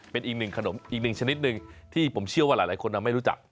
เป็นอีกหนึ่งขนมอีกหนึ่งชนิดหนึ่งที่ผมเชื่อว่าหลายคนไม่รู้จัก